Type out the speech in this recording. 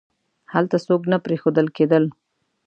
هلته څوک نه پریښودل کېدل.